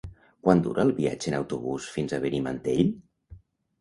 Quant dura el viatge en autobús fins a Benimantell?